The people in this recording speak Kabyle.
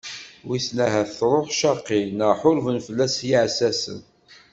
Wisen ahat d ṛṛuḥ ccaqi neɣ ḥurben fell-as yiɛessasen.